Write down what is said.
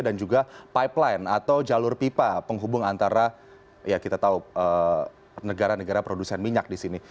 dan juga pipeline atau jalur pipa penghubung antara ya kita tahu negara negara produsen minyak di sini